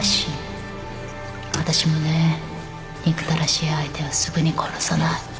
私もね憎たらしい相手はすぐに殺さない